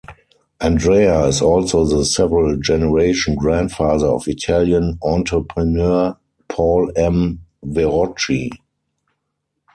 Andrea is also the several generation grandfather of Italian entrepreneur, Paul M. Verrochi.